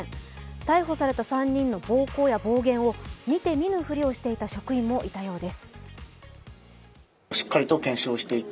逮捕された３人の暴行や暴言を見て見ぬふりしていた職員もいたようです。